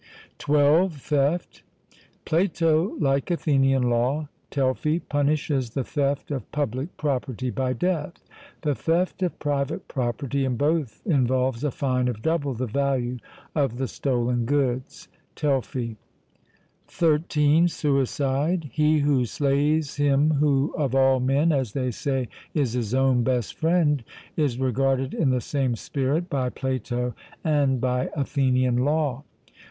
(12) Theft. Plato, like Athenian law (Telfy), punishes the theft of public property by death; the theft of private property in both involves a fine of double the value of the stolen goods (Telfy). (13) Suicide. He 'who slays him who of all men, as they say, is his own best friend,' is regarded in the same spirit by Plato and by Athenian law.